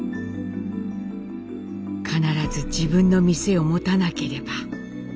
必ず自分の店を持たなければ。